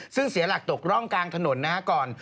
ซึ่งเสียหลักตกร่องกลางถนนนะฮะก่อน